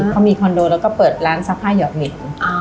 เขามีคอนโดแล้วก็เปิดร้านซักผ้าหยอดเหรียญ